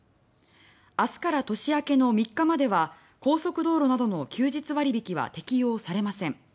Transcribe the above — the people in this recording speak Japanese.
明日から年明けの３日までは高速道路などの休日割引は適用されません。